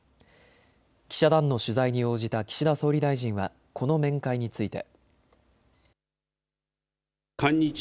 記者団の取材に応じた岸田総理大臣はこの面会について。